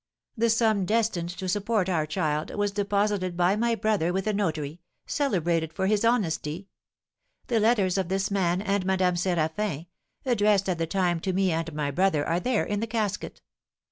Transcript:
The sum destined to support our child was deposited by my brother with a notary, celebrated for his honesty. The letters of this man and Madame Séraphin, addressed at the time to me and my brother, are there, in the casket.